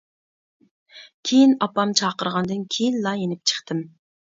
كېيىن ئاپام چاقىرغاندىن كېيىنلا يېنىپ چىقتىم.